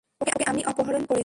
ওকে আমি অপহরণ করেছি।